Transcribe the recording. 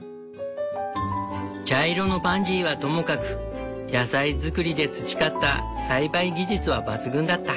茶色のパンジーはともかく野菜作りで培った栽培技術は抜群だった。